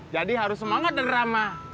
jadi harus semangat dan ramah